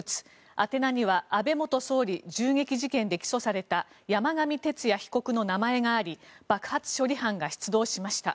宛名には安倍元総理銃撃事件で起訴された山上徹也被告の名前があり爆発処理班が出動しました。